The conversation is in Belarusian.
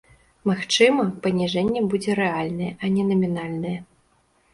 Магчыма, паніжэнне будзе рэальнае, а не намінальнае.